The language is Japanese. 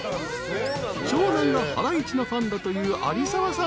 ［長男がハライチのファンだという有澤さん］